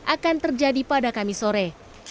akan terjadi pada kamis sore